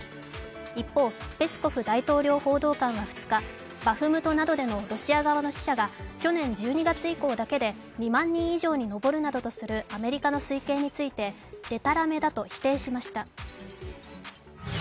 一方、ペスコフ大統領報道官は２日、バフムトなどでのロシア側の死者が去年１２月以降だけで２万人以上に上るなどとするアメリカの推計についてでたらめだと否定しました。